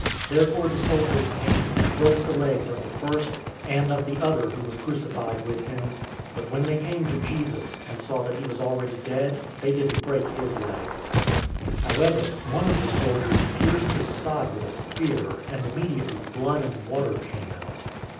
019:032 Therefore the soldiers came, and broke the legs of the first, and of the other who was crucified with him; 019:033 but when they came to Jesus, and saw that he was already dead, they didn't break his legs. 019:034 However one of the soldiers pierced his side with a spear, and immediately blood and water came out.